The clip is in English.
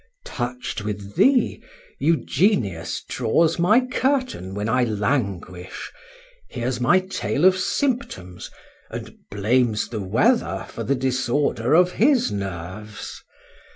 —Touch'd with thee, Eugenius draws my curtain when I languish—hears my tale of symptoms, and blames the weather for the disorder of his nerves.